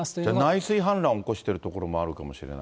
内水反乱を起こして所があるかもしれない。